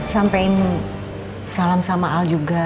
sampein salam sama al juga